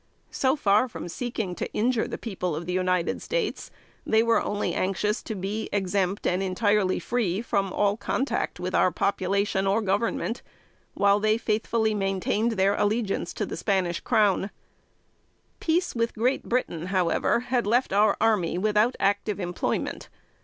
So far from seeking to injure the people of the United States, they were only anxious to be exempt, and entirely free from all contact with our population or Government; while they faithfully maintained their allegiance to the Spanish crown. [Sidenote: 1815.] Peace with Great Britain, however, had left our army without active employment.